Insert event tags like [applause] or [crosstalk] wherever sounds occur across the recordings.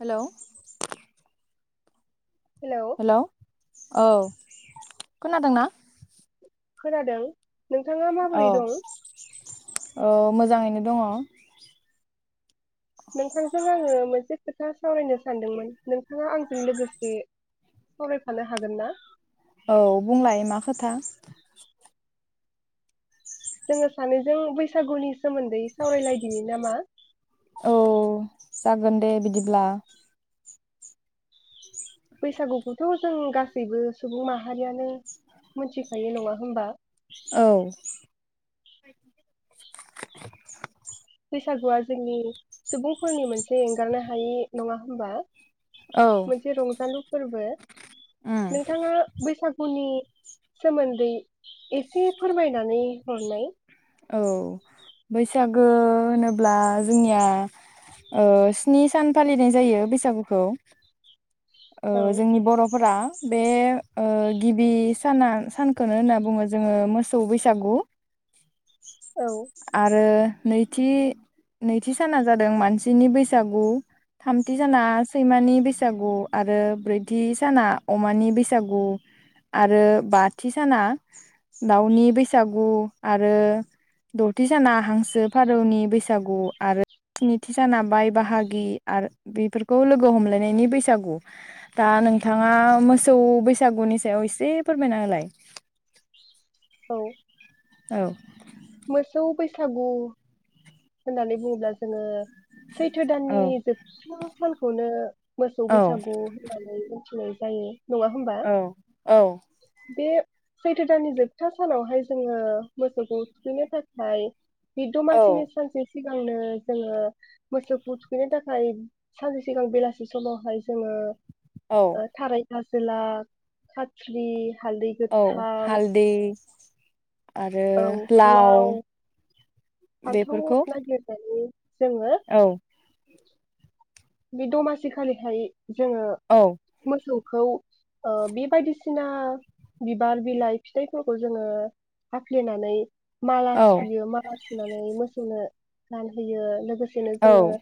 Hello hello औ खोनादोंना? खोनादों। नोंथाङा औ माबोरै दं औ मोज जाङैनो दङ। नोंथांजों आङो मोनसे खोथा सावरायनो सानदोंमोन नोंथाङा आंजों लोगोसे सावरायफानो हागोन ना? औ बुंलाय मा खोथा? जोङो सानैजों बैसागुनि सोमोन्दै सावरायलायदिनि नामा? औ जागोन दे बिदिब्ला बैसागुखौथ' जों गासैबो सुबुं माहारियानो मोनथिखायो नङा होमबा औ बैसागुआ जोंनि सुबुंफोरनि मोनसे एंगारनो हायि नङा होमबा? औ मोनसे रंजालु फोरबो उम नोंथाङा बैसागुनि सोमोन्दै एसे फोरमायनानै हरनाय औ बैसागो होनोब्ला जोंनिया ओ स्नि सान फालिनाय जायो बैसागुखौ ओ औ जोंनि बर'फोरा बे ओ गिबि साना सानखौनो होनना बुङो जोङो मोसौ बैसागु। औ आरो नैथि नैथि साना जादों मानसिनि बैसागु थामथि साना सैमानि बैसागु आरो ब्रैथि साना अमानि बैसागु आरो बाथि साना दाउनि बैसागु आ रो दथि साना हांसो फारौनि बैसागु आरो स्निथि साना बाय बाहागि आरो बेफोरखौ लोगो हमलायनायनि बैसागु दा नोंथाङा मोसौ बैसागुनि सायाव एसे फोरमायना होलाय? औ औ मोसौ बैसागु होननानै बुङोब्ला जोङो। सैथो औ दाननि जोबथा सानखौनो मोसौ बैसागु होननानै [inaudible] होनाय जायो। नङा होमबा औ औ बे सैथो दाननि जोबथा सानावहाय जोङो मोसौखौ थुखैनो थाखाय बि औ दमासिनि सान सिगांनो जोङो मोसौखौ थुखैनो थाखाय सानसे सिगां बेलासि समावहाय जोङो औ ओ थारै आसेला [inaudible] खाथ्रि हालदै औ गोथां हालदै आरो औ लाव फान्थाव बेफोरखौ नागिरनायनि जोङो औ बे दमासि खालिखायि जोङो औ मोसौ खौ बे बायदिसिना बिबार बिलाइ फिथाइफोरखौ जोङो हाफ्लेनानै माला औ सुयो माला नानै मोसौनो गानहोयो। लोगोसेनो जोङो औ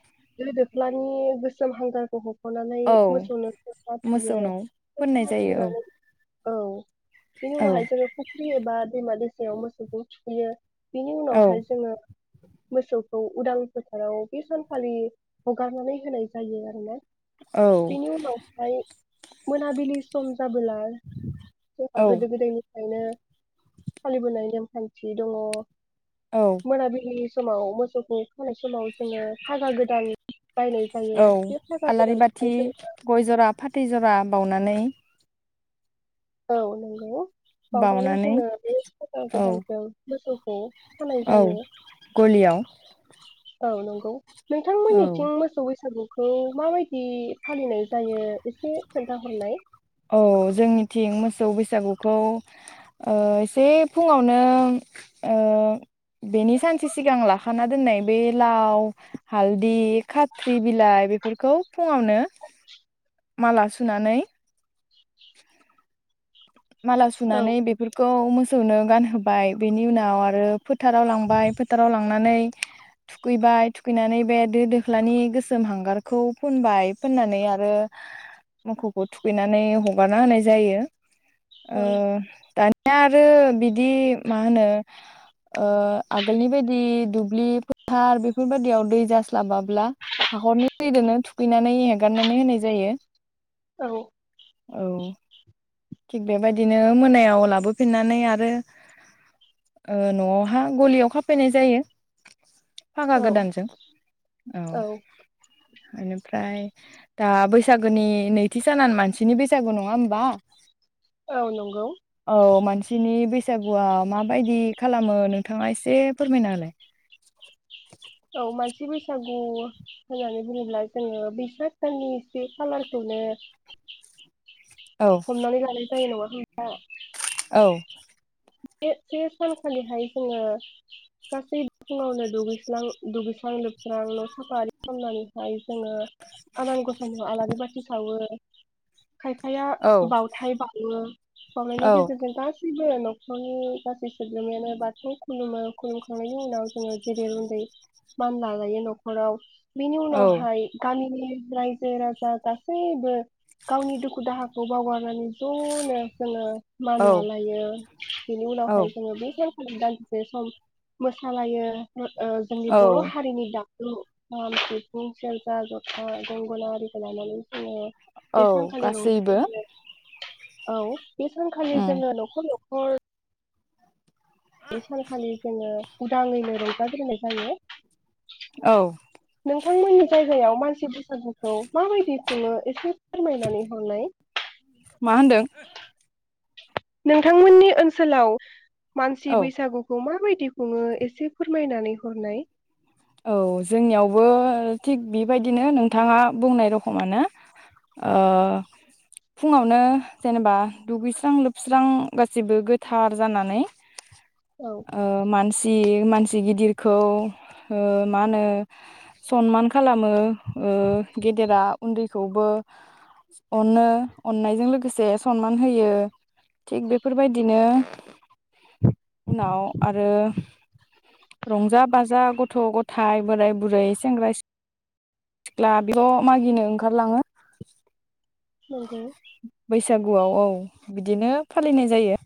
गोदो लानि गोसोम हांगारखौ हग ख'नानै औ मोसौनो फोथा थुयो। मोसौनाव फोननाय जायो थुनानै औ बिनि औ उनावहाय जोंङो फुख्रि एबा दैमा दैसायाव मोसौखौ थुखैयो। बिनि औ उनावहाय जोङो मोसौखौ उदां फोथाराव बे सानखाालि हगारनानै होनाय जायो आरोना। औ बिनि उनावहाय मोनाबिलि सम जाबोला जोंहा औ गोदो गोदायनि फायनो फालिबोनाय नेमखान्थि दङ। औ मोनाबिलि समाव मोसौखौ खानाय समाव जोङो फागा गोदान बायनाय जायो औ बे फागा आलारि गोदानखौहाय बाथि जों गय जरा फाथै जरा बावनानै औ नंगौ। बावनानै बाउनानै जोङो बे फागा औ गोदानखौ मोसौ [unintelligible] औ गलियाव औ नंगौ औ नोंथांमोननिथिं मोसौ बैसागु खौ माबायदि फालिनाय जायो एसे खोन्थाहरनाय। औ जोंनिथिं मोसौ बैसागुखौ ओ एसे फुङावनो ओ बेनि सानसे सिगां लाखाना दोननाय बे लाव हालदै खाथ्रि बिलाइ बेफोरखौ फुङावनो माला सुनानै [inaudible] माला औ सुनानै बेफोरखौ मो सौनो गानहोबाय बेनि उनाव आरो फोथाराव लांबाय फोथाराव लांनानै थुखैबाय थुखैनानै बे दो दोख्लानि गोसोम हांगारखौ फोनबाय फोननानै आरो मोसौखौ थुखैनानै हगारना होनाय जायो। ओ औ दानि या आरो बिदि मा होनो आगोलनि बायदि दुब्लि फोथार बेफोरबायदियाव दै जास्लाबाब्ला हाख'रनि दैजोंनो थुखैनानै हेगारनानै होनाय जायो। औ औ थिग बेबायदिनो मोनायाव लाबोफिननानै आरो ओ न'आवहा गलियाव खाफैनाय जायो। फागा औ गोदानजों औ। बेनिफ्राय दा बैसागोनि नैथि सानानो मानसिनि बैसागु नङा होमबा? औ नंगौ। सिनि बैसागुआव माबायदि खालामो नोंथाङा एसे फोरमायना होलाय। औ मानसि बैसागु होननानै बुङोब्ला जोङो बैसाग साननि से खालारखौनो औ हमनानै लानाय जायो नङा होमबा औ बे से सानखालिहाय जोङो गासैबो फुङावनो दुगैसां दुगैस्रां लोबस्रां न' साफारि खालामनानैहाय जोङो आनान गसानियाव आलारि बाथि सावो खायफाया औ बावथाय बावउवो बावनायनि औ गेजेरजों गास [inaudible] खर'नि गासै सोद्रोमायानो बाथौ खुलुमो खुलुमखांनायनि उनाव जोङो जेरै गेदेर उन्दै मान लालायो न'खराव बिनि उनावहाय गामिनि रायजो राजा गासैबो गावनि दुखु दाहाखौ बावगारनानै ज'नो जोङो मान औ लालायो बिनि औ उनावहाय जोंङो बै दादिसे सम मोसालायो ओ जोंनि औ बर' हारिनि दाम जु खाम सिफुं सेरजा जथा गंगोना आरिखौ लानानै जोंङो औ बे सानखालि गासैबो रंजायो औ बे सानखालि उम जोङो न'खर न बे सानखालि जोङो उदांङैनो रंजाग्रोनाय जायो औ नोंथांमोननि जायगायाव मानसि बैसागुखौ माबायदि खुङो एसे फोरमायनानै हरनाय मा होनदों नोंथांमोननि ओनसोलाव मानसि औ बैसागुखौ माबायदि खुंङो एसे फोरमायनानै हरनाय औ जोंनियावबो थिग बेबायदिनो नोंथाङा बुंनाय रखमानो ओ फुङावनो जेनेबा दुगैस्रां लोबस्रां गाैबो गोथार जानानै औ ओ मानसि मानसि गिदिरखौ ओ मा होनो सनमान खालामो ओ गेदेरा उन्दैखौबो अनो अननायजों लोगोसे सनमान होयो थिग बेफोरबायदिनो उनाव आरो रंजा बाजा ग गथ' गथाय बोराय बुरै सेंग्रा सिख सिख्ला बेखौ मागिनो ओंखारलाङो [inaudible] बैसागुआव औ बिदिनो फालिनाय जायो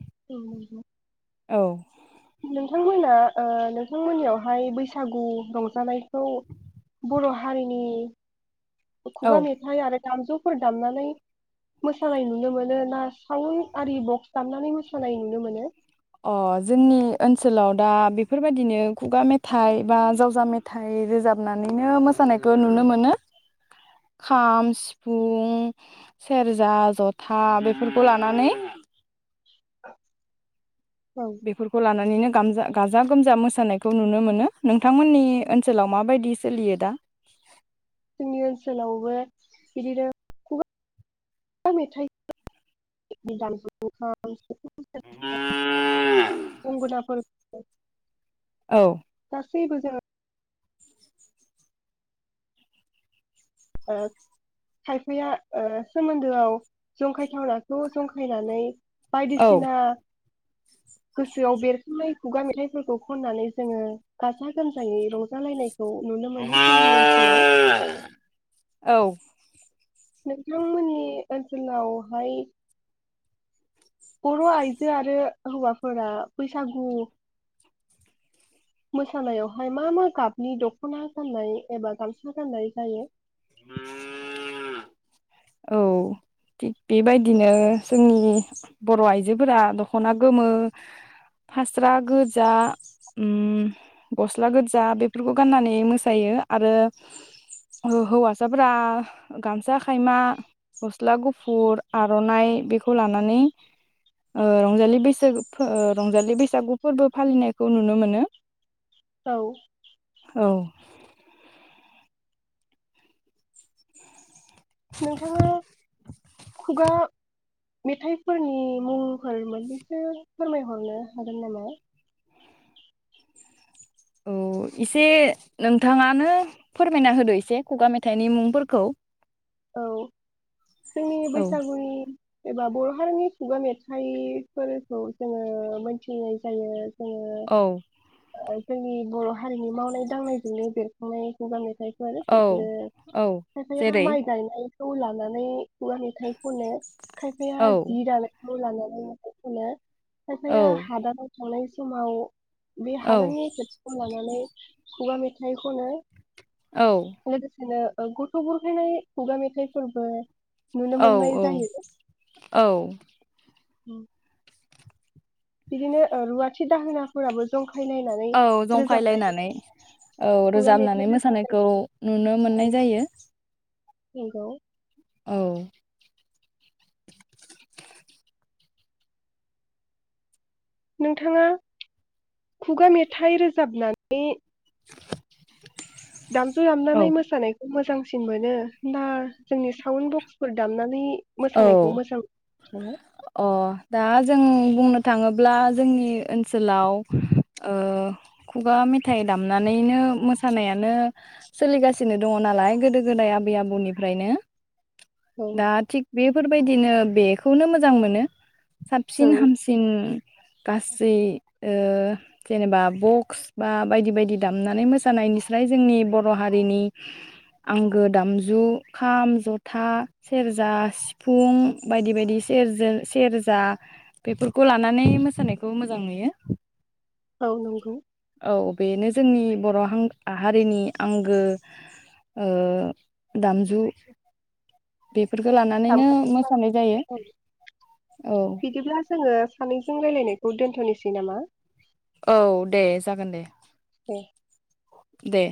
[inaudible] औ नोंथांमोना ओ नोंथांमोननियावहाय बैसागु रंजानायखौ बर' हारिनि औ खुगा मेथाइ आरो दामजुफोर दामनानै मोसानाय नुनो मोनो ना साउनआरि बक्स दामनानै मोसानाय नुनो मोनो अ जोंनि ओनसोलाव दा बेफोरबायाददिनो खुगा मेथाइ बा जावजा मेथाइ रोजाबनानैनो मोसानायखौ नुनो मोनो खाम सिफुं सेरजा जथा बेफोरखौ लानानै औ बेफोरखौ लानानैनो गामजा-गाजा गोमजा मोसानायखौ नुनो मोनो नोंथांमोननि ओनसोलाव माबायदि सोलियो दा जोंनि ओनसोलावबो बिदिनो खुगा मेथाइ [unintelligible] गंगोनाफोर [unintelligible] औ सेै बो जोंओ ओ खायफाया ओ सोमोन्दोआव जंखायथावनाखौ जंखायनानै औ बायदिसिना गोसोआव बेरखांनाय खुगा मेथाइफोरखौ खननानै जोङो गाजा गोमजायै रंजालायनाय खौ नुनो मोनो जोंनि ओनसोलाव औ नोंथांमोननि ओनसोलावहाय बर' आइजो आरो हौवाफोरा बैसागु मोसानायावहाय मा मा गाबनि दख'ना गाननाय एबा गामसा गाननाय जायो उम औ थिग बेबायदिनो जोंनि बर' आइजोफोरा दख'ना गोमो फास्रा गोजा उम गस्ला गोजा बेफोरखौ गाननानै मोसायो आरो हौ-हौवासाफोरा गामसा खायमा गस्ला गुफुर आर'नाइ बेखौ लानानै ओ रंजालि बैसागु फो रंजालि बैसागु फोरबो फालिनायखौ नुनो मोनो औ औ नोंथाङा खुगा मेथाइफोरनि मुंफोर मोननैसो फोरमायहरनो हागोन नामा औ एसे नोंथाङानो फोरमायना होदो एसे खुगा मेथाइनि मुंफोरखौ औ जोंनि औ बैसागुनि एबा बर' हारिनि खुगा मेथाइफोरखौ जोङो मोनथिनाय जायो जायो औ ओ जोंनि बर' हारिनि मावनाय दांनायजोंनो बेरखांनाय खुगा मे थायफोर औ बेफोरो औ खायफाया जेरै माइ गायनायखौ लानानै खुगा मेथाइ खनो खायफाया औ जि दानाय मुं लानानै मेथाइ खनो औ खायफाया हादानाव थांनाय समाव बे औ हादाननि खोथाखौ लानानै खुगा मेथाइ खनो औ लोगोसेनो गुथ' बुरखायनाय खुगा मेथाइ फोरबो औ औ औ उम बिदिनो ओ रुवाथि दाहोनाफोराबो जं औ जंखायलायनानै औ खुगा मेथाइ रोजाबनानै रोजाबनाय मोसानायखौ नुनो मोननाय जायो। नोंगौ। औ नोंथाङा खुगा मेथाइ रोजाबनानै [inaudible] दामजु औ दामनानै मोसानायखौ मोजां सिन मोनो ना जोंनि साउन्ड बक्सफोर दामनानै औ मोसानायखौ मोजां मोनो नोंथाङा? अ दा जों बुंनो थाङोब्ला जोंनि ओनसोलाव ओ खुगा मेथाइ दामनानैनो मोसानायानो सोलिगासिनो दङ नालाय गोदो-गोदाय आबै आबौनिफ्रायनो औ दा थिख बेफोरबायदिनो बेखौनो मोजां मोनो। औ साबसिन हामसिन गासै ओ जेनेबा बक्स बा बायदि बायदि दामनानै मोसानायनिस्राय जोंनि बर' हारिनि आंगो दामजु खाम जथा सेरजा सिफुं बायदि बायदि सेर-सेरजा बेफोरखौ लानानै मोसानायखौ मोजां नुयो। औ नंगौ। औ बेनो जोंनि बर' हारिनि आंगो ओ दामजु बे औ बिदिब्ला जोङो सानैजों रायलायनाय दोनथ'निसै नामा? औ दे जागोन दे दे दे